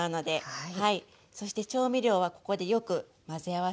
はい。